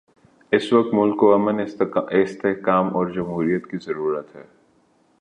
اس وقت ملک کو امن، استحکام اور جمہوریت کی ضرورت ہے۔